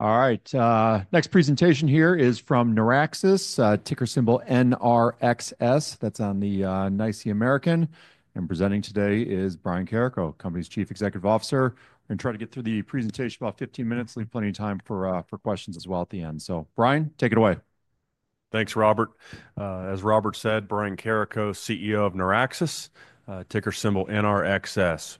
All right. Next presentation here is from NeurAxis, ticker symbol NRXS. That is on the NYSE American. Presenting today is Brian Carrico, Company's Chief Executive Officer. We are going to try to get through the presentation in about 15 minutes, leave plenty of time for questions as well at the end. Brian, take it away. Thanks, Robert. As Robert said, Brian Carrico, CEO of NeurAxis, ticker symbol NRXS.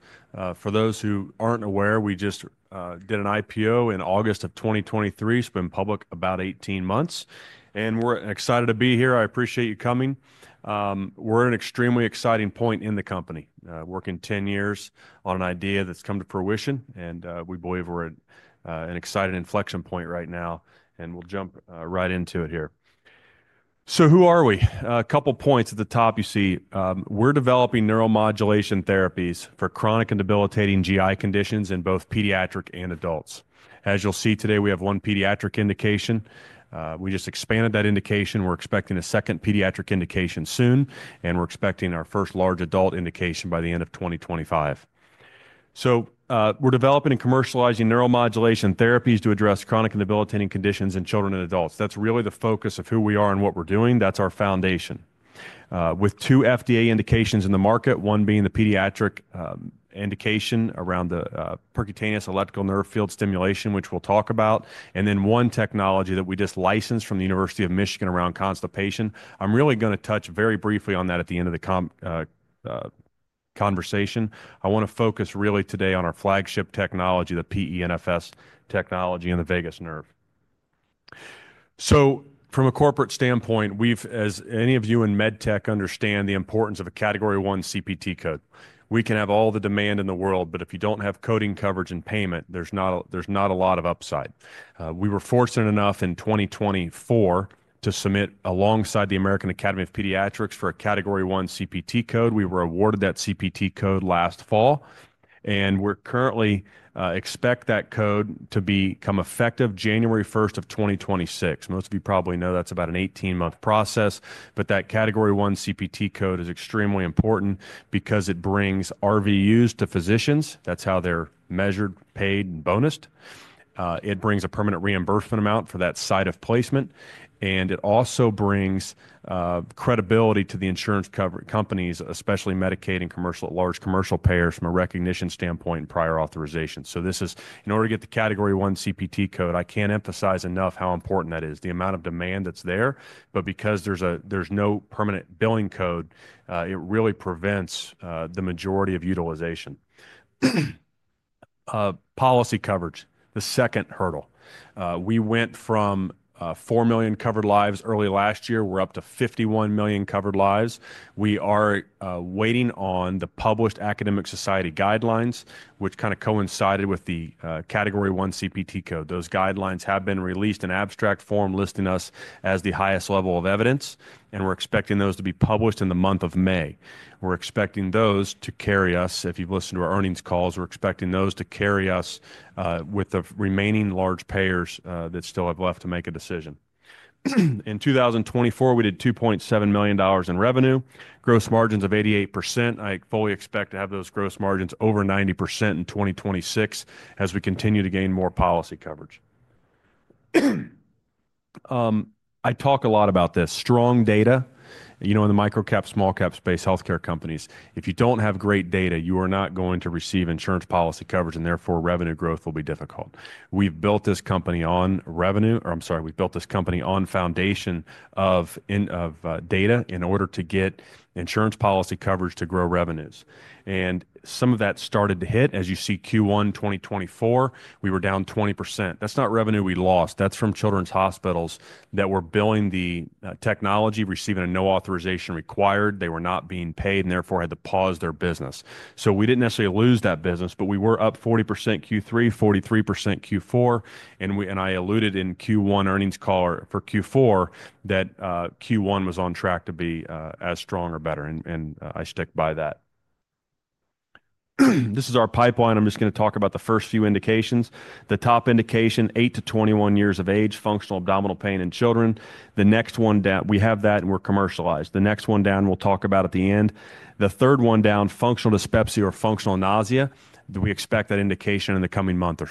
For those who aren't aware, we just did an IPO in August of 2023. It's been public about 18 months. We're excited to be here. I appreciate you coming. We're at an extremely exciting point in the company, working 10 years on an idea that's come to fruition. We believe we're at an exciting inflection point right now. We'll jump right into it here. Who are we? A couple of points at the top, you see, we're developing neuromodulation therapies for chronic and debilitating GI conditions in both pediatric and adults and patients. As you'll see today, we have one pediatric indication. We just expanded that indication. We're expecting a second pediatric indication soon. We're expecting our first large adult indication by the end of 2025. We're developing and commercializing neuromodulation therapies to address chronic and debilitating conditions in children and adults. That's really the focus of who we are and what we're doing. That's our foundation. With two FDA indications in the market, one being the pediatric indication around the percutaneous electrical nerve field stimulation, which we'll talk about, and then one technology that we just licensed from the University of Michigan around constipation. I'm really going to touch very briefly on that at the end of the conversation. I want to focus really today on our flagship technology, the PENFS technology targeting the auricular branch of the vagus nerve. From a corporate standpoint, as any of you in med tech understand, the importance of a category one CPT code. We can have all the demand in the world, but if you don't have coding coverage and payment, there's not a lot of upside. We were fortunate enough in 2024 to submit alongside the American Academy of Pediatrics for a category one CPT code. We were awarded that CPT code last fall. We are currently expecting that code to become effective January 1, 2026. Most of you probably know that is about an 18-month process. That category one CPT code is extremely important because it brings RVUs to physicians. That is how they are measured, paid, and bonused. It brings a permanent reimbursement amount for that site of placement. It also brings credibility to the insurance companies, especially Medicaid and large commercial payers from a recognition standpoint and prior authorization. In order to get the category one CPT code, I cannot emphasize enough how important that is, the amount of demand that is there. Because there is no permanent billing code, it really prevents the majority of utilization. Policy coverage, the second hurdle. We went from 4 million covered lives early last year. We're up to 51 million covered lives. We are waiting on the published academic society guidelines, which coincided with the category one CPT code. Those guidelines have been released in abstract form listing us as the highest level of evidence. We're expecting those to be published in the month of May. We're expecting those to carry us, if you've listened to our earnings calls, we're expecting those to carry us with the remaining large payers that still have left to make a decision. In 2024, we did $2.7 million in revenue, gross margins of 88%. I fully expect to have those gross margins over 90% in 2026 as we continue to gain more policy coverage. I talk a lot about this. Strong data, you know, in the micro-cap, small-cap healthcare space, if you don't have great data, you are not going to receive insurance policy coverage. Therefore, revenue growth will be difficult. We've built this company on the foundation of data in order to get insurance policy coverage to grow revenues. Some of that started to hit. As you can see in Q1 2024, we were down 20%. That's not revenue we lost; that's from children's hospitals billing the technology and receiving no prior authorization required. They were not being paid and therefore had to pause their business. We didn't lose that business, but we were up 40% in Q3 and 43% in Q4. I alluded in the Q1 earnings call for Q4 that Q1 was on track to be as strong or better. I stick by that. This is our pipeline. I’m going to focus on the first few indications. The top indication is functional abdominal pain in children aged 8 to 21 years. The next one down is already commercialized. The third indication is functional dyspepsia or functional nausea, which we expect FDA approval for in the coming month.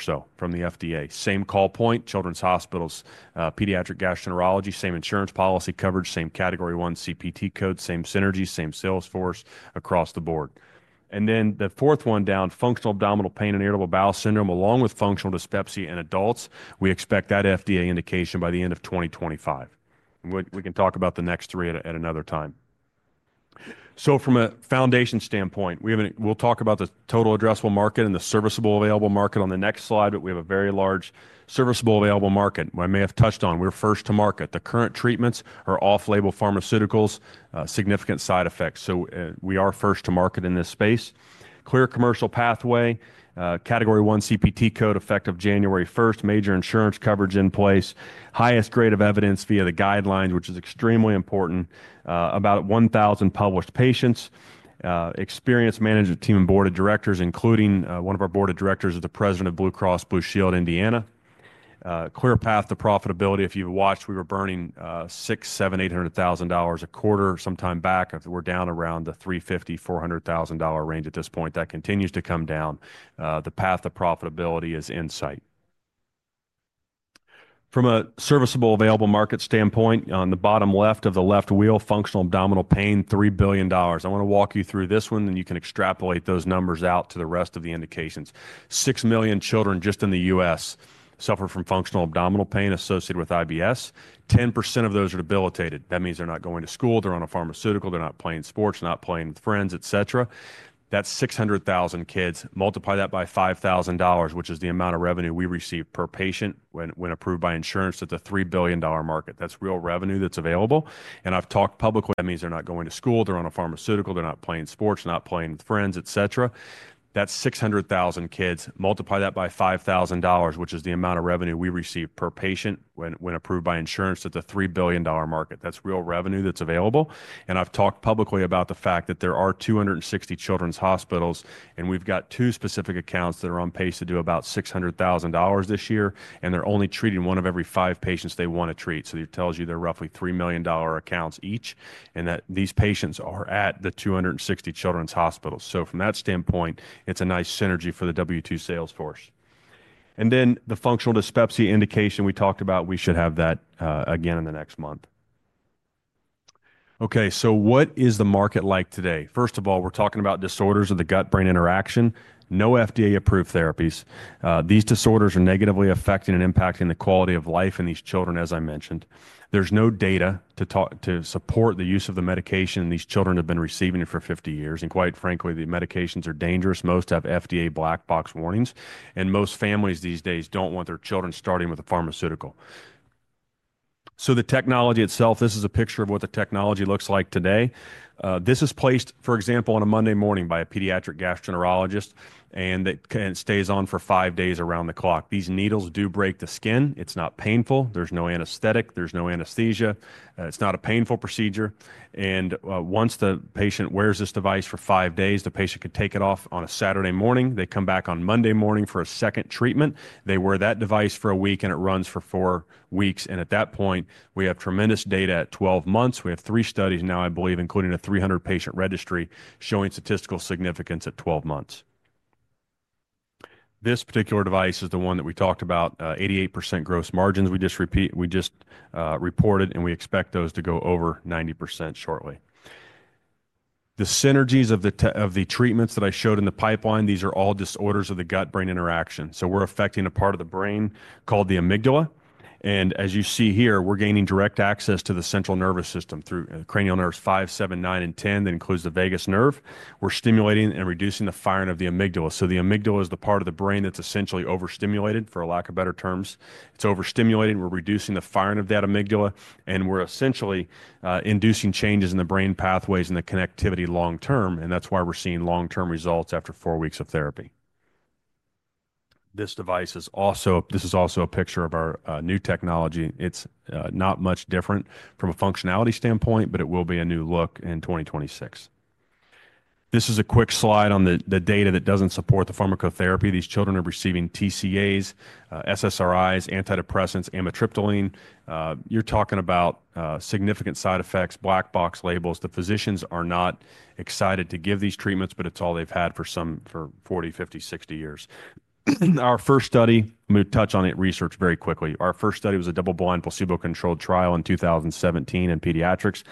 Same call point: children's hospitals, pediatric gastroenterology, same insurance policy coverage, same Category I CPT code, same synergies, same sales force. The fourth indication is functional abdominal pain and irritable bowel syndrome, along with functional dyspepsia in adults, expected FDA approval by the end of 2025. We can discuss the remaining three indications at another time. From a foundation standpoint, let’s discuss the total addressable market (TAM) and the serviceable available market (SAM) on the next slide. We have a very large SAM. As mentioned, we are first to market. Current treatments are off-label pharmaceuticals with significant side effects. We have a clear commercial pathway: Category I CPT code effective January 1, 2026, major insurance coverage in place, and the highest grade of evidence per published guidelines, which is critical. Approximately 1,000 patients have been published. Our experienced management team and board include the President of Blue Cross Blue Shield Indiana. There is a clear path to profitability. Previously, we were burning $600,000–$800,000 per quarter; now we are around $350,000–$400,000, and this continues to improve. The path to profitability is in sight. From a serviceable available market standpoint, on the bottom left of the left wheel, functional abdominal pain, $3 billion. I want to walk you through this one and you can extrapolate those numbers out to the rest of the indications. 6 million children just in the U.S. suffer from functional abdominal pain associated with IBS. 10% of those are debilitated. That means they're not going to school, they're on a pharmaceutical, they're not playing sports, they're not playing with friends, et cetera. That's 600,000 kids. Multiply that by $5,000, which is the amount of revenue we receive per patient when approved by insurance at the $3 billion market. That's real revenue that's available. I've talked publicly. That means they're not going to school, they're on a pharmaceutical, they're not playing sports, they're not playing with friends, et cetera. That's 600,000 kids. Multiply by $5,000 per patient gives the available revenue. There are 260 children’s hospitals. Two accounts are on track to generate about $600,000 this year, treating only one in five eligible patients, implying roughly $3 million potential per account. These patients are distributed across all 260 hospitals, creating synergy for our W-2 sales force. The functional dyspepsia indication will be available soon. Today’s market involves disorders of gut-brain interaction with no FDA-approved therapies. These disorders are negatively affecting and impacting the quality of life in these children, as I mentioned. There's no data to support the use of the medication these children have been receiving for 50 years. Quite frankly, the medications are dangerous. Most have FDA black box warnings. Most families these days don't want their children starting with a pharmaceutical. The technology itself, this is a picture of what the technology looks like today. This is placed, for example, on a Monday morning by a pediatric gastroenterologist. It stays on for five days around the clock. These needles do break the skin. It's not painful. There's no anesthetic. There's no anesthesia. It's not a painful procedure. Once the patient wears this device for five days, the patient can take it off on a Saturday morning. They come back on Monday morning for a second treatment. They wear that device for a week and it runs for four weeks. At that point, we have tremendous data at 12 months. We have three studies now, I believe, including a 300-patient registry showing statistical significance at 12 months. This particular device is the one that we talked about, 88% gross margins we just reported. We expect those to go over 90% shortly. The synergies of the treatments that I showed in the pipeline, these are all disorders of the gut-brain interaction. We are affecting a part of the brain called the amygdala. As you see here, we are gaining direct access to the central nervous system through cranial nerves 5, 7, 9, and 10. That includes the vagus nerve. We are stimulating and reducing the firing of the amygdala. The amygdala is the part of the brain that is essentially overstimulated, for a lack of better terms. It's overstimulated. We're reducing the firing of that amygdala. We're essentially inducing changes in the brain pathways and the connectivity long term. That's why we're seeing long-term results after four weeks of therapy. This device is also, this is also a picture of our new technology. It's not much different from a functionality standpoint, but it will be a new look in 2026. This is a quick slide on the data that doesn't support the pharmacotherapy. These children are receiving TCAs, SSRIs, antidepressants, amitriptyline. You're talking about significant side effects, black box labels. The physicians are not excited to give these treatments, but it's all they've had for 40, 50, 60 years. Our first study, let me touch on it, research very quickly. Our first study was a double-blind placebo-controlled trial in 2017 in pediatrics.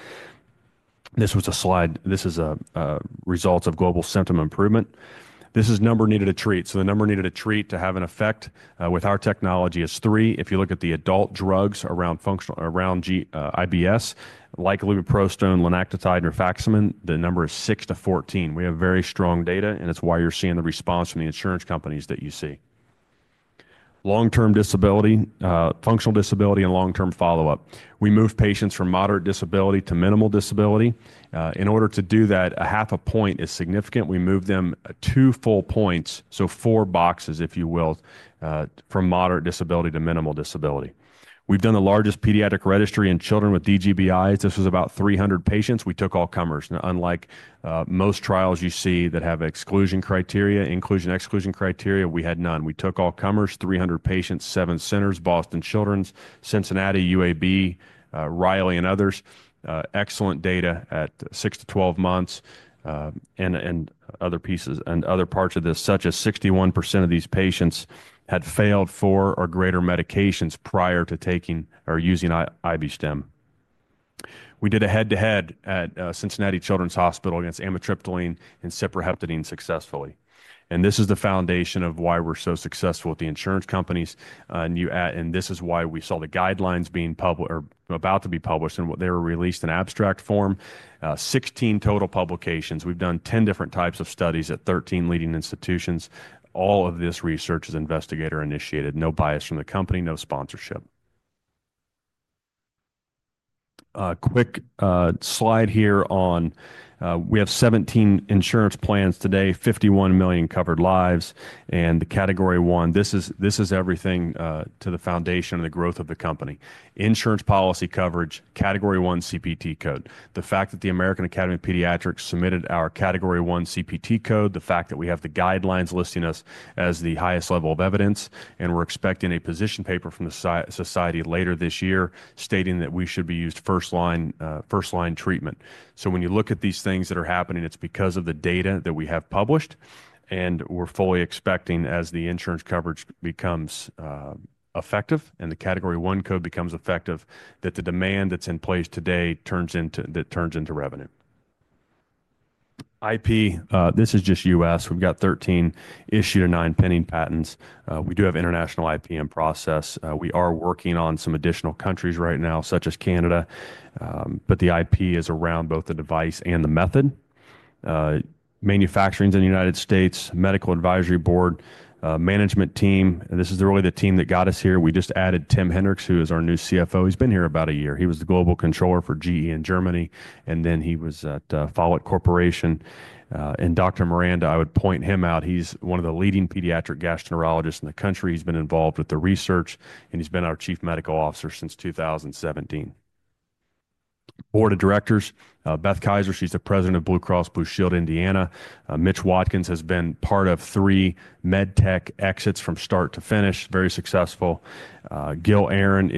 This was a slide. This is a result of global symptom improvement. This is number needed to treat. The number needed to treat to have an effect with our technology is three. If you look at the adult drugs around IBS, like lubiprostone, linaclotide, and rifaximin, the number is 6-14. We have very strong data. It is why you are seeing the response from the insurance companies that you see. Long-term disability, functional disability, and long-term follow-up. We move patients from moderate disability to minimal disability. In order to do that, a half a point is significant. We move them two full points, so four boxes, if you will, from moderate disability to minimal disability. We have done the largest pediatric registry in children with DGBIs. This was about 300 patients. We took all comers. Unlike most trials you see that have exclusion criteria, inclusion-exclusion criteria, we had none. We took all comers, 300 patients, seven centers, Boston Children's, Cincinnati, UAB, Riley, and others. Excellent data at 6-12 months. Other pieces and other parts of this, such as 61% of these patients had failed four or greater medications prior to taking or using IB-Stim. We did a head-to-head at Cincinnati Children's Hospital against amitriptyline and cyproheptadine successfully. This is the foundation of why we're so successful with the insurance companies. This is why we saw the guidelines being published or about to be published. They were released in abstract form, 16 total publications. We've done 10 different types of studies at 13 leading institutions. All of this research is investigator-initiated. No bias from the company, no sponsorship. Quick slide here on, we have 17 insurance plans today, 51 million covered lives. The category one, this is everything to the foundation of the growth of the company. Insurance policy coverage, category one CPT code. The fact that the American Academy of Pediatrics submitted our category one CPT code, the fact that we have the guidelines listing us as the highest level of evidence. We're expecting a position paper from the society later this year stating that we should be used first-line treatment. When you look at these things that are happening, it's because of the data that we have published. We're fully expecting as the insurance coverage becomes effective and the category one code becomes effective, that the demand that's in place today turns into revenue. IP, this is just U.S. We've got 13 issued and nine pending patents. We do have international IP in process. We are working on some additional countries right now, such as Canada. The IP is around both the device and the method. Manufacturing's in the United States, medical advisory board, management team. This is really the team that got us here. We just added Tim Henrichs, who is our new CFO. He's been here about a year. He was the global controller for GE in Germany. Then he was at Follett Corporation. Dr. Miranda, I would point him out. He's one of the leading pediatric gastroenterologists in the country. He's been involved with the research. He's been our Chief Medical Officer since 2017. Board of directors, Beth Kaiser, she's the president of Blue Cross Blue Shield Indiana. Mitch Watkins has been part of three med tech exits from start to finish, very successful. Gil Aaron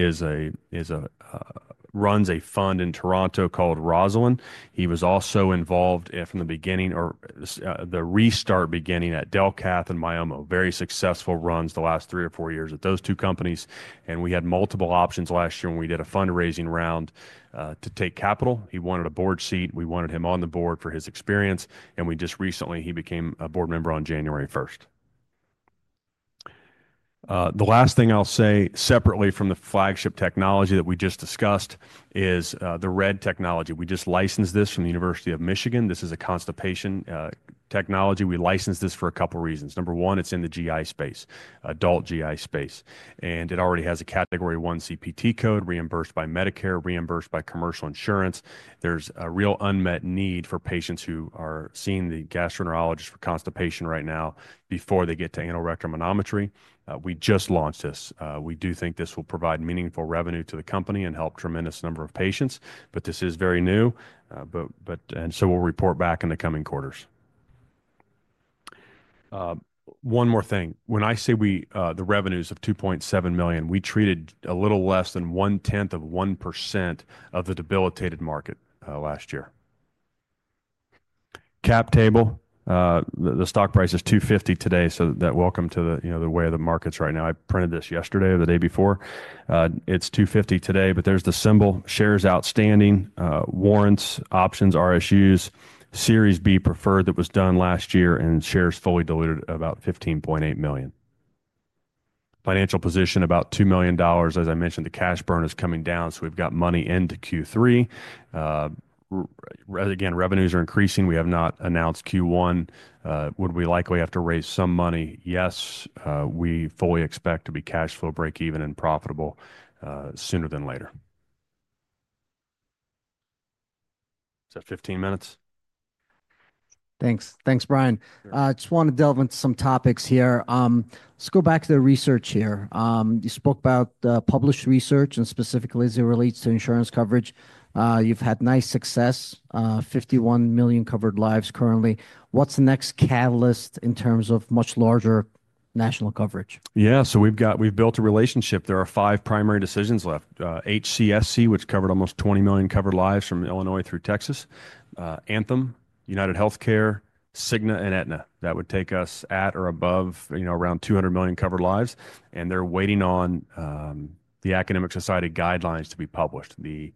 runs a fund in Toronto called Rosalyn. He was also involved from the beginning or the restart beginning at Delcath and Miomo. Very successful runs the last three or four years at those two companies. We had multiple options last year when we did a fundraising round to take capital. He wanted a board seat. We wanted him on the board for his experience. We just recently, he became a board member on January 1. The last thing I'll say separately from the flagship technology that we just discussed is the RED Technology. We just licensed this from the University of Michigan. This is a constipation technology. We licensed this for a couple of reasons. Number one, it's in the GI space, adult GI space. It already has a Category I CPT Code reimbursed by Medicare, reimbursed by commercial insurance. There's a real unmet need for patients who are seeing the gastroenterologist for constipation right now before they get to anorectal manometry. We just launched this. We do think this will provide meaningful revenue to the company and help a tremendous number of patients. This is very new. We will report back in the coming quarters. One more thing. When I say the revenues of $2.7 million, we treated a little less than one tenth of 1% of the debilitated market last year. Cap table, the stock price is $2.50 today. Welcome to the way of the markets right now. I printed this yesterday or the day before. It is $2.50 today. There is the symbol, shares outstanding, warrants, options, RSUs, series B preferred that was done last year. Shares fully diluted about 15.8 million. Financial position about $2 million. As I mentioned, the cash burn is coming down. We have money into Q3. Revenues are increasing. We have not announced Q1. Would we likely have to raise some money? Yes. We fully expect to be cash flow break-even and profitable sooner than later. Is that 15 minutes? Thanks. Thanks, Brian. I just want to delve into some topics here. Let's go back to the research here. You spoke about published research and specifically as it relates to insurance coverage. You've had nice success, 51 million covered lives currently. What's the next catalyst in terms of much larger national coverage? Yeah. We've built a relationship. There are five primary decisions left: HCSC, which covered almost 20 million covered lives from Illinois through Texas; Anthem, United Healthcare; Cigna; and Aetna. That would take us at or above around 200 million covered lives. They're waiting on the academic society guidelines to be published. The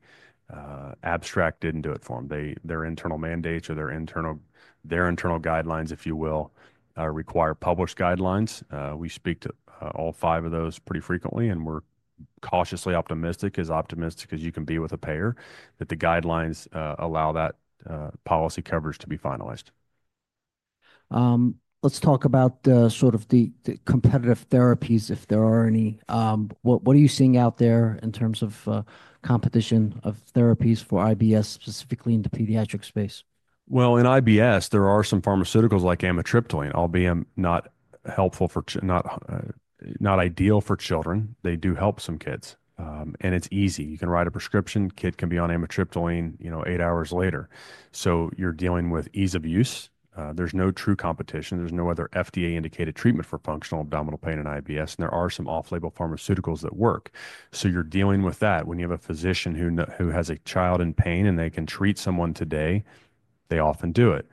abstract didn't do it for them. Their internal mandates or their internal guidelines, if you will, require published guidelines. We speak to all five of those pretty frequently. And we're cautiously optimistic, as optimistic as you can be with a payer, that the guidelines allow that policy coverage to be finalized. Let's talk about sort of the competitive therapies, if there are any. What are you seeing out there in terms of competition of therapies for IBS, specifically in the pediatric space? In IBS, there are some pharmaceuticals like amitriptyline, albeit not helpful, not ideal for children. They do help some kids. And it's easy. You can write a prescription. Kid can be on amitriptyline eight hours later. So you're dealing with ease of use. There's no true competition. There's no other FDA-indicated treatment for functional abdominal pain in IBS. And there are some off-label pharmaceuticals that work. So you're dealing with that. When you have a physician who has a child in pain and they can treat someone today, they often do it.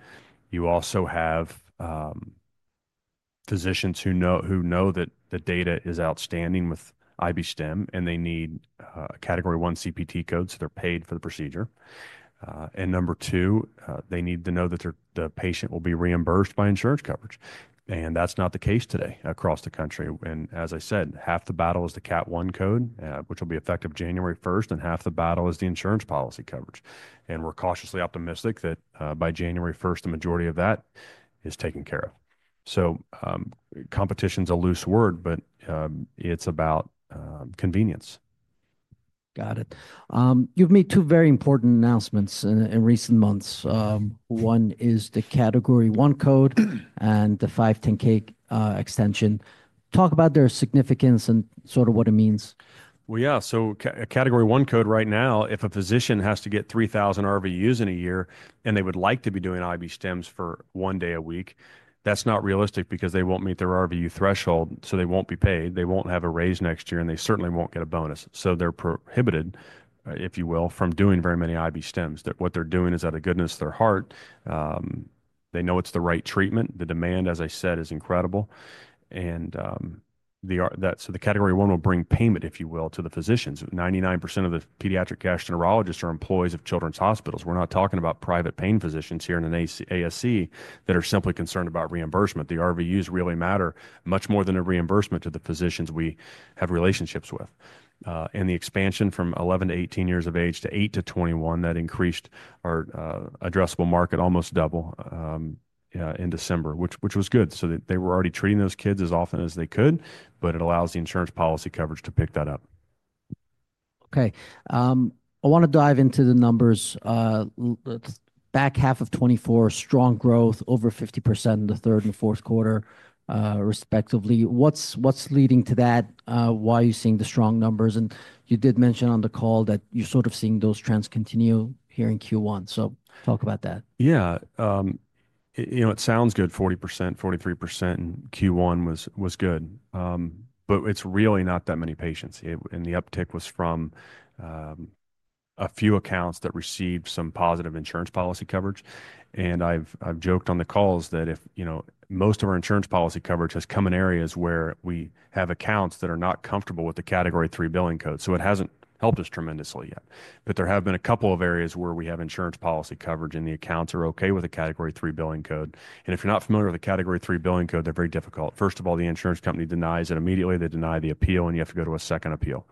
You also have physicians who know that the data is outstanding with IB-Stim. They need a category I CPT code so they're paid for the procedure. Number two, they need to know that the patient will be reimbursed by insurance coverage. That's not the case today across the country. As I said, half the battle is the category I code, which will be effective January 1, 2026. Half the battle is the insurance policy coverage. We're cautiously optimistic that by January 1, the majority of that is taken care of. Competition's a loose word, but it's about convenience. Got it. You've made two very important announcements in recent months. One is the category I code and the 510(k) extension. Talk about their significance and sort of what it means. Yeah. A category one code right now, if a physician has to get 3,000 RVUs in a year and they would like to be doing IB-Stims for one day a week, that's not realistic because they won't meet their RVU threshold. They won't be paid. They won't have a raise next year. They certainly won't get a bonus. They're prohibited, if you will, from doing very many IB-Stims. What they're doing is out of goodness of their heart. They know it's the right treatment. The demand, as I said, is incredible. The category one will bring payment, if you will, to the physicians. 99% of the pediatric gastroenterologists are employees of children's hospitals. We're not talking about private pain physicians here in an ASC that are simply concerned about reimbursement. The RVUs really matter much more than a reimbursement to the physicians we have relationships with. The expansion from 11 to 18 years of age to 8 to 21, that increased our addressable market almost double in December, which was good. They were already treating those kids as often as they could. It allows the insurance policy coverage to pick that up. Okay. I want to dive into the numbers. Back half of 2024, strong growth, over 50% in the third and fourth quarter, respectively. What's leading to that? Why are you seeing the strong numbers? You did mention on the call that you're sort of seeing those trends continue here in Q1. Talk about that. Yeah. It sounds good. 40%, 43% in Q1 was good. It's really not that many patients. The uptick was from a few accounts that received some positive insurance policy coverage. I've joked on the calls that most of our insurance policy coverage has come in areas where we have accounts that are not comfortable with the category three billing code. It hasn't helped us tremendously yet. There have been a couple of areas where we have insurance policy coverage and the accounts are okay with a category three billing code. If you're not familiar with the category three billing code, they're very difficult. First of all, the insurance company denies it immediately. They deny the appeal. You have to go to a second appeal.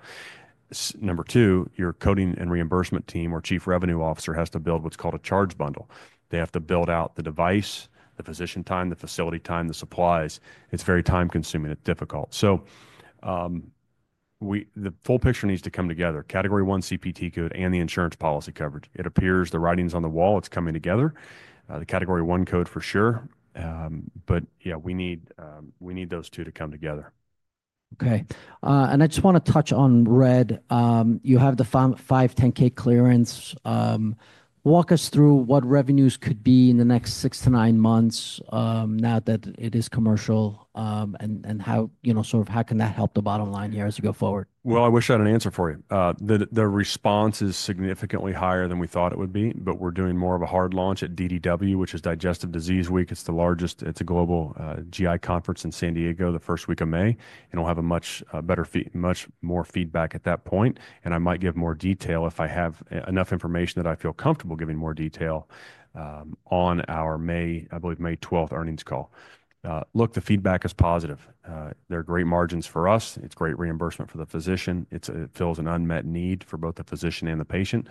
Number two, your coding and reimbursement team or Chief Revenue Officer has to build what's called a charge bundle. They have to build out the device, the physician time, the facility time, the supplies. It's very time-consuming. It's difficult. The full picture needs to come together, category one CPT code and the insurance policy coverage. It appears the writing's on the wall. It's coming together. The category one code for sure. Yeah, we need those two to come together. Okay. I just want to touch on RED. You have the 510(k) clearance. Walk us through what revenues could be in the next six to nine months now that it is commercial and sort of how can that help the bottom line here as we go forward? I wish I had an answer for you. The response is significantly higher than we thought it would be. We're doing more of a hard launch at DDW, which is Digestive Disease Week. It's the largest global GI conference in San Diego the first week of May. We will have much more feedback at that point. I might give more detail if I have enough information that I feel comfortable giving more detail on our, I believe, May 12th earnings call. Look, the feedback is positive. They are great margins for us. It is great reimbursement for the physician. It fills an unmet need for both the physician and the patient.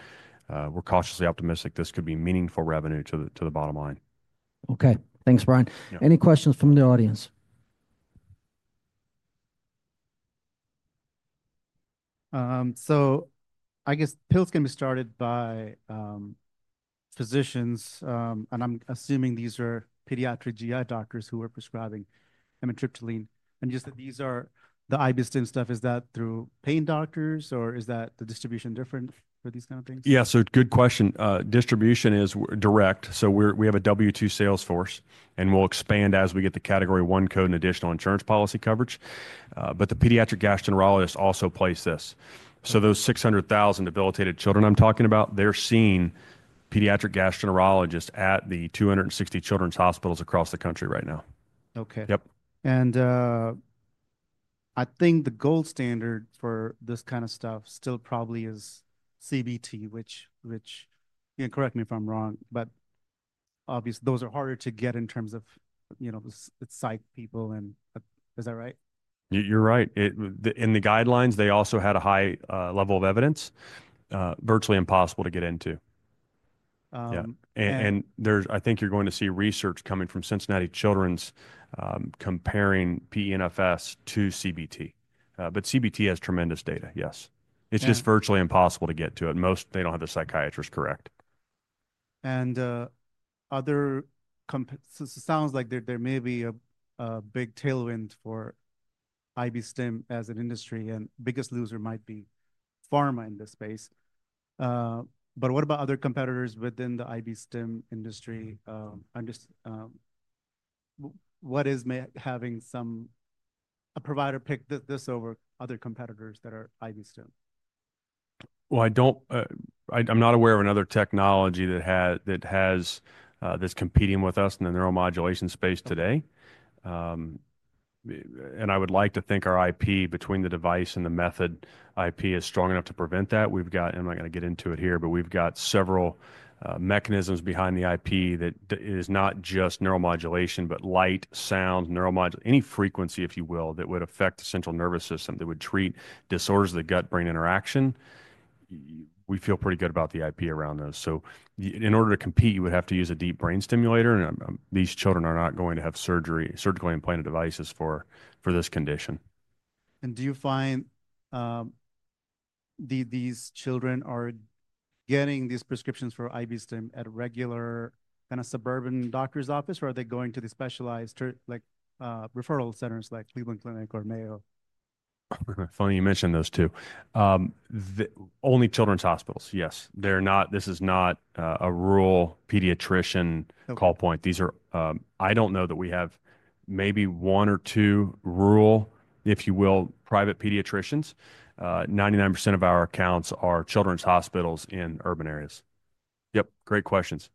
We are cautiously optimistic this could be meaningful revenue to the bottom line. Okay. Thanks, Brian. Any questions from the audience? I guess pills can be started by physicians. I am assuming these are pediatric GI doctors who are prescribing amitriptyline. Just that these are the IB-Stim stuff, is that through pain doctors? Or is the distribution different for these kind of things? Yeah. Good question. Distribution is direct. We have a W-2 sales force. We will expand as we get the category one code and additional insurance policy coverage. The pediatric gastroenterologist also plays this. Those 600,000 debilitated children I am talking about are seeing pediatric gastroenterologists at the 260 children's hospitals across the country right now. Okay. I think the gold standard for this kind of stuff still probably is CBT, which you can correct me if I am wrong. Obviously, those are harder to get in terms of psych people. Is that right? You are right. In the guidelines, they also had a high level of evidence, virtually impossible to get into. I think you are going to see research coming from Cincinnati Children's comparing PENFS to CBT. CBT has tremendous data, yes. It is just virtually impossible to get to it. Most, they do not have the psychiatrist correct. It sounds like there may be a big tailwind for IB-Stim as an industry. The biggest loser might be pharma in this space. What about other competitors within the IB-Stim industry? What is having a provider pick this over other competitors that are IB-Stim? I'm not aware of another technology that has this competing with us in the neuromodulation space today. I would like to think our IP between the device and the method IP is strong enough to prevent that. I'm not going to get into it here, but we've got several mechanisms behind the IP that is not just neuromodulation, but light, sound, neuromodulation, any frequency, if you will, that would affect the central nervous system that would treat disorders of the gut-brain interaction. We feel pretty good about the IP around those. In order to compete, you would have to use a deep brain stimulator. These children are not going to have surgical implanted devices for this condition. Do you find these children are getting these prescriptions for IB-Stim at a regular kind of suburban doctor's office? Or are they going to the specialized referral centers like Cleveland Clinic or Mayo? Funny you mentioned those two. Only children's hospitals, yes. This is not a rural pediatrician call point. I don't know that we have maybe one or two rural, if you will, private pediatricians. 99% of our accounts are children's hospitals in urban areas. Yep. Great questions.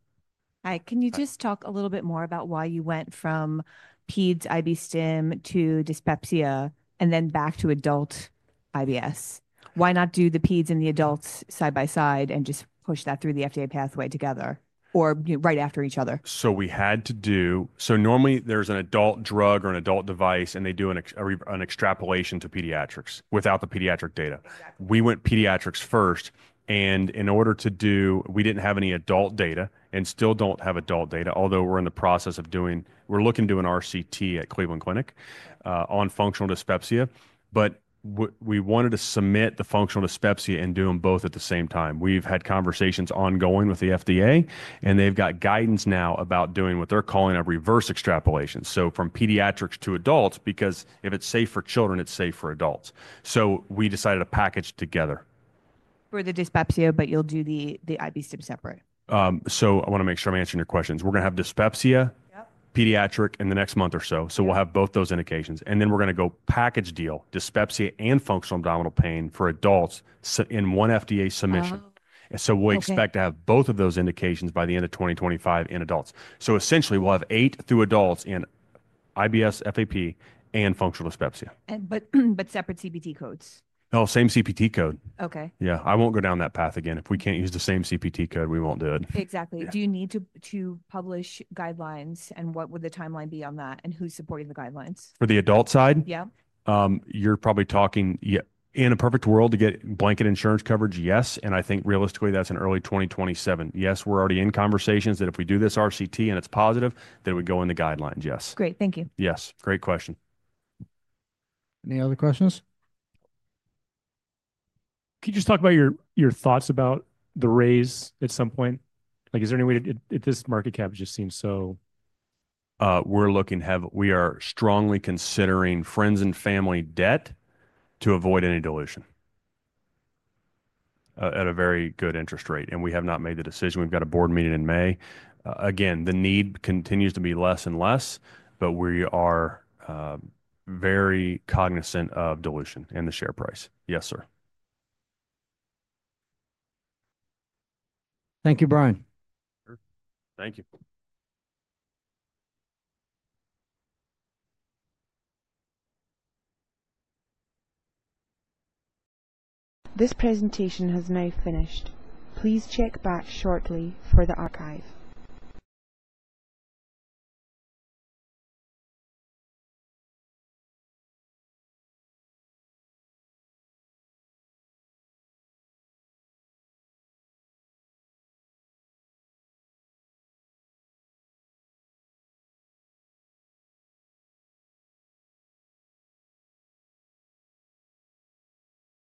Hi. Can you just talk a little bit more about why you went from peds, IB-Stim, to dyspepsia, and then back to adult IBS? Why not do the peds and the adults side by side and just push that through the FDA pathway together or right after each other? We had to do—normally there's an adult drug or an adult device, and they do an extrapolation to pediatrics without the pediatric data. We went pediatrics first. In order to do—we didn't have any adult data and still don't have adult data, although we're in the process of doing—we're looking to do an RCT at Cleveland Clinic on functional dyspepsia. We wanted to submit the functional dyspepsia and do them both at the same time. We've had conversations ongoing with the FDA. They've got guidance now about doing what they're calling a reverse extrapolation. From pediatrics to adults, because if it's safe for children, it's safe for adults. We decided to package together. For the dyspepsia, but you'll do the IB-Stim separate? I want to make sure I'm answering your questions. We're going to have dyspepsia, pediatric, in the next month or so. We'll have both those indications. We're going to go package deal: dyspepsia and functional abdominal pain for adults in one FDA submission. We expect to have both of those indications by the end of 2025 in adults. Essentially, we'll have eight through adults in IBS, FAP, and functional dyspepsia. Separate CPT codes? Oh, same CPT code. Okay. I won't go down that path again. If we can't use the same CPT code, we won't do it. Exactly. Do you need to publish guidelines? What would the timeline be on that? Who's supporting the guidelines? For the adult side? Yeah. You're probably talking—in a perfect world, to get blanket insurance coverage, yes. I think realistically, that's in early 2027. Yes, we're already in conversations that if we do this RCT and it's positive, then we go in the guidelines, yes. Great. Thank you. Yes. Great question. Any other questions? Can you just talk about your thoughts about the raise at some point? Is there any way to—this market cap just seems so... We're looking—we are strongly considering friends and family debt to avoid any dilution at a very good interest rate. We have not made the decision. We've got a board meeting in May. Again, the need continues to be less and less. We are very cognizant of dilution and the share price. Yes, sir. Thank you, Brian. Thank you. This presentation has now finished. Please check back shortly for the archive.